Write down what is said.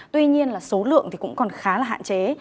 tuy nhiên là số lượng thì cũng còn khá là hạn chế